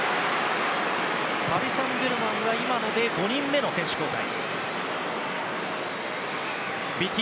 パリ・サンジェルマンは今ので５人目の選手交代。